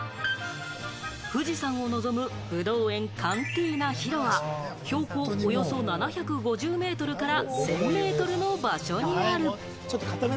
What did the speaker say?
富士山を望むブドウ園、カンティーナ・ヒロは標高およそ７５０ｍから１０００ｍの場所にある。